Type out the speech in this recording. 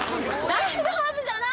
大丈夫じゃないですよ。